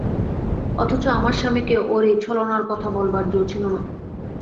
অথচ আমার স্বামীকে ওঁর এই ছলনার কথা বলবার জো ছিল না।